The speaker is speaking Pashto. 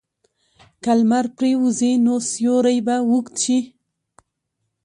که لمر پرېوځي، نو سیوری به اوږد شي.